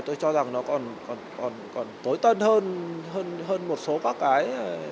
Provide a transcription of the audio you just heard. tôi cho rằng nó còn tối tân hơn một số các cái